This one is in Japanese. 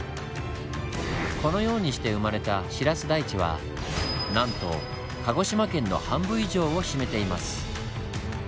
このようにして生まれたシラス台地はなんと鹿児島県の半分以上を占めています。